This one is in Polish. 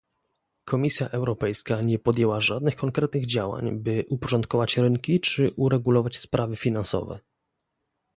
Komisja Europejska nie podjęła żadnych konkretnych działań, by uporządkować rynki czy uregulować sprawy finansowe